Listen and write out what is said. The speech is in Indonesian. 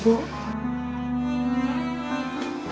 bu pak pengen ketemu sama ibu